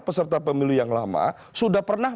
peserta pemilu yang lama sudah pernah